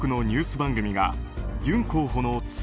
番組がユン候補の妻